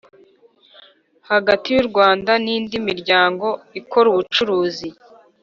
hagati y u Rwanda n indi miryango ikora ubucuruzi